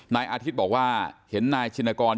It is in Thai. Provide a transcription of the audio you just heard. นายอาทิตย์บอกว่าเห็นนายชินกร